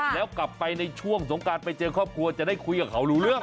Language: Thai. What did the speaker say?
แล้วกลับไปในช่วงสงการไปเจอครอบครัวจะได้คุยกับเขารู้เรื่อง